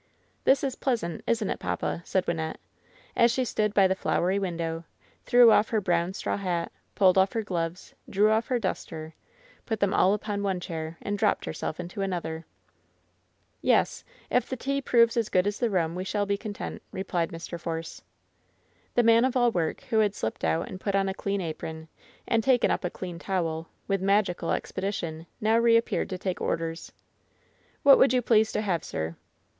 "This is pleasant, isn't it, papa V^ said Wynnette, as she stood by the flowery window, threw off her brown straw hat, pulled off her gloves, drew off her duster, put them all upon one chair and dropped herself into an other. LOVERS BITTEREST CUP 199 'TTes, If the tea proves as good as the room, we shall be content/^ replied Mr. Force. The man of all work, who had slipped out and put on a clean apron, and taken up a clean towel, with magi cal expedition, now reappeared to take orders. '^What would you please to have, sir